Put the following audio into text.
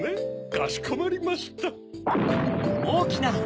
かしこまりました。